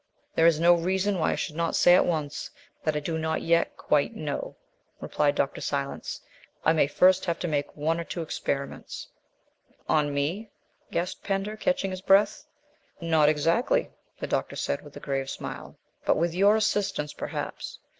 "There is no reason why I should not say at once that I do not yet quite know," replied Dr. Silence. "I may first have to make one or two experiments " "On me?" gasped Pender, catching his breath. "Not exactly," the doctor said, with a grave smile, "but with your assistance, perhaps.